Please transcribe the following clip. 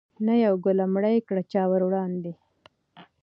نه یوه ګوله مړۍ کړه چا وروړاندي